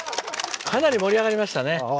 かなり盛り上がりましたね。